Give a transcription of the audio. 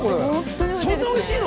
そんなにおいしいの？